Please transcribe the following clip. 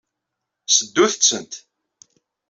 Seddut-tent.